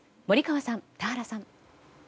森川さん、田原さん。